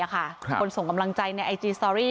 คนส่งกำลังใจในไอจีสตอรี่